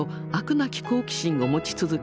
なき好奇心を持ち続け